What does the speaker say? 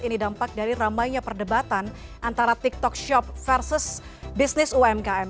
ini dampak dari ramainya perdebatan antara tiktok shop versus bisnis umkm